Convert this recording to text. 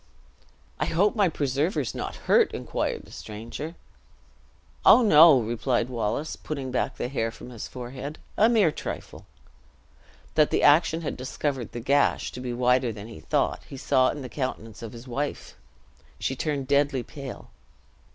"I hope my preserver is not hurt?" inquired the stranger. "Oh, no!" replied Wallace, putting back the hair from his forehead; "a mere trifle!" That the action had discovered the gash to be wider than he thought, he saw in the countenance of his wife! She turned deadly pale.